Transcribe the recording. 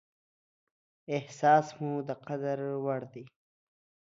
احساس مو د قدر وړ دى.